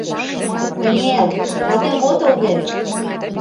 Кыне-ел, ватем отыл вет!